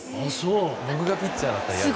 僕がピッチャーだったら嫌です。